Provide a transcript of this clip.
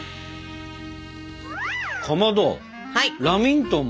かまどラミントン